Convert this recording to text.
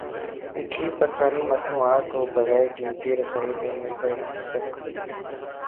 Italy Pakistani مصنوعات کو بغیر ڈیوٹی رسائی دینے پر متفق